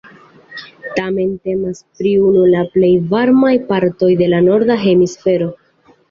Tamen temas pri unu el la plej varmaj partoj de la norda hemisfero.